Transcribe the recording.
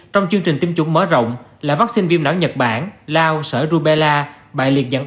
trong chương trình tiêm chủng mở rộng là vaccine viêm não nhật bản lao sở rubella bại liệt dạng